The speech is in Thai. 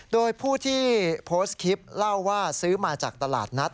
โดยผู้ที่โพสต์คลิปเล่าว่าซื้อมาจากตลาดนัด